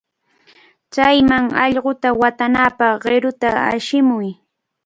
Chayman allquta watanapaq qiruta hawishun.